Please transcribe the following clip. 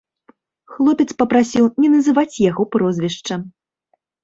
Хлопец папрасіў не называць яго прозвішча.